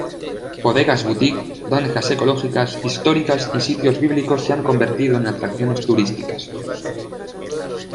Bodegas Boutique, granjas ecológicas, históricas y sitios bíblicos se han convertido en atracciones turísticas.